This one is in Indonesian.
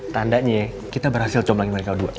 tandanya kita berhasil comblangin mereka dua